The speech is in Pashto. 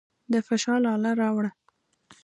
د فشار اله راوړه.